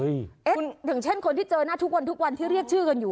อย่างเช่นคนที่เจอหน้าทุกวันทุกวันที่เรียกชื่อกันอยู่